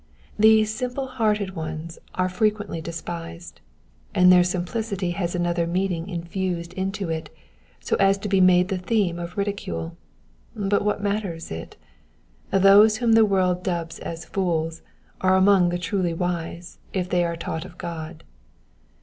These simple hearted ones are fre quently despised, and their simplicity has another meaning infused into it, HO as to be made the theme of ridicule ; but what matters it ? Those whom the world dubs as fools are among the truly wise if they are taught of God.